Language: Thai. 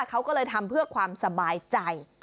เขาก็เลยทำเพื่อความสบายใจ